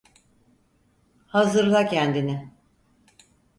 Hazırla kendini!